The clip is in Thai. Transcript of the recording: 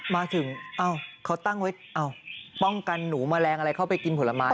มาถึงเขาตั้งไว้ป้องกันหนูแมลงอะไรเข้าไปกินผลไม้